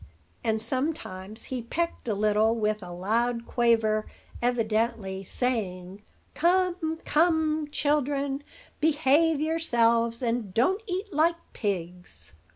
And sometimes he pecked a little, with a loud quaver, evidently saying, "Come, come, children, behave yourselves, and don't eat like pigs."